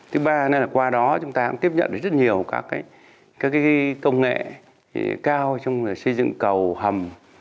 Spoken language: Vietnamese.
thứ ba nữa là qua đó chúng ta cũng tiếp nhận được rất nhiều các công nghệ cao trong xây dựng cầu hầm